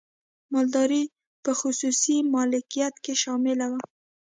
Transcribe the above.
مالداري په خصوصي مالکیت کې شامله وه.